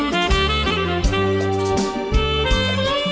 แม้แม่ยเลว